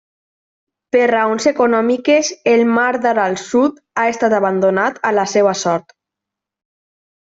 Per raons econòmiques, el mar d'Aral Sud ha estat abandonat a la seva sort.